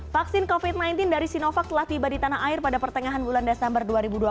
vaksin covid sembilan belas dari sinovac telah tiba di tanah air pada pertengahan bulan desember dua ribu dua puluh